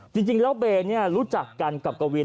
จริงแล้วเบย์รู้จักกันกับกวิน